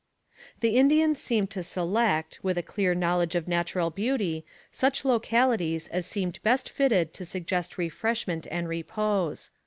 The Indians seemed to select, with a clear knowledge of natural beauty, such localities as seemed best fitted to suggest refreshment and repose.